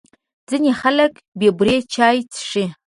ځینې خلک بې بوري چای څښي.